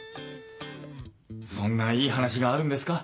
そんないい話があるんですか？